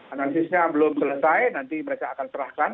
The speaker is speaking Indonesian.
analisisnya belum selesai nanti mereka akan serahkan